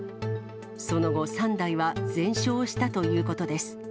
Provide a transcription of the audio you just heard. その後、３台は全焼したということです。